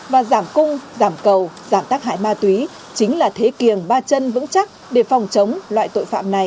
và giảm cung giảm cầu giảm tác hại ma túy chính là thế kiềng ba chân vững chắc để phòng chống loại tội phạm này